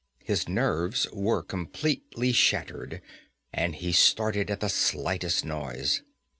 His nerves were completely shattered, and he started at the slightest noise.